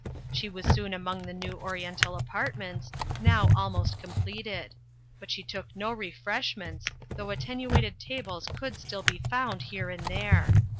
She was soon among the new oriental apartments, now almost completed; but she took no refreshments, though attenuated tables could still be found here and there.